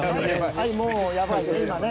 はいもうやばいね今ね。